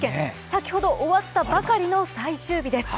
先ほど終わったばかりの最終日です。